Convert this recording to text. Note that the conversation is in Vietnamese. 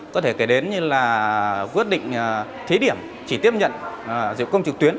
có thể kể đến như là quyết định thế điểm chỉ tiếp nhận dịch vụ công trực tuyến